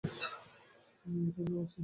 আমিও এটাই ভাবছি।